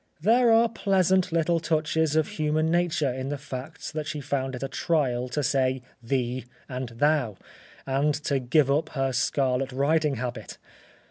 There are pleasant little touches of human nature in the facts that she found it a trial to say "thee" and "thou," and to give up her scarlet riding habit.